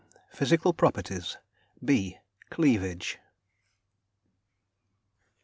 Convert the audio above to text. PHYSICAL PROPERTIES. B CLEAVAGE.